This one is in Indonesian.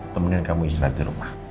kemudian kamu istirahat di rumah